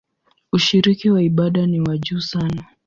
Ushiriki wa ibada ni wa juu sana.